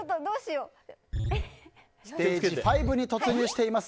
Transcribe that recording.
ステージ５に突入しています